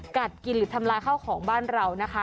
กัดกินหรือทำลายข้าวของบ้านเรานะคะ